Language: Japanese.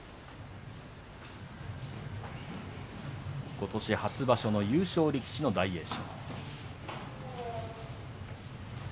ことし初場所、優勝力士の大栄翔。